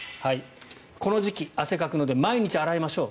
この時期汗かくので毎日洗いましょう。